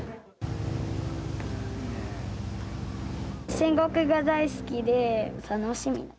戦国が大好きで楽しみ。